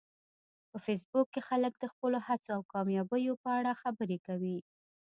په فېسبوک کې خلک د خپلو هڅو او کامیابیو په اړه خبرې کوي